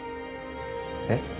えっ。